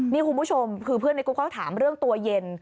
นี่คุณผู้ชมคือเพื่อนในกรุ๊ปเขาถามเรื่องตัวเย็น